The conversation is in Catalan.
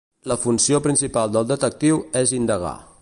La funció principal del detectiu és indagar.